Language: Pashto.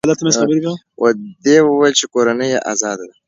ده وویل چې کورنۍ یې ازاده ده.